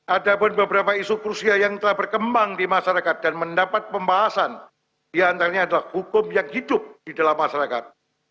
ada pun beberapa isu krusia yang telah berkembang di masyarakat dan mendapat pembahasan diantaranya adalah hukum yang hidup di dalam masyarakat